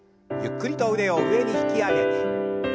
ゆっくりと腕を上に引き上げて。